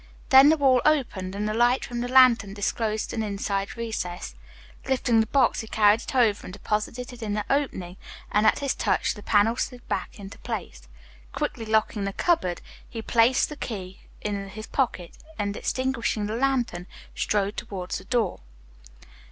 Then the wall opened and the light from the lantern disclosed an inside recess. Lifting the box, he carried it over and deposited it in the opening, and at his touch the panel slid back into place. Quickly locking the cupboard, he placed the key in his pocket, and, extinguishing the lantern, strode towards the door.